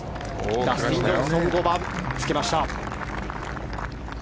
ダスティン・ジョンソン、５番つけました。